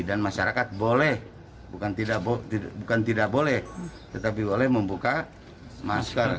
dan masyarakat boleh bukan tidak boleh tetapi boleh membuka masker